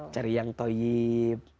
cari yang toib